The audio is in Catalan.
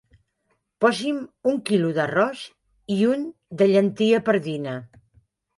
Posi'm un quilo d'arròs i un de llentia pardina.